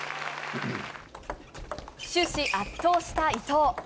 終始圧倒した伊藤。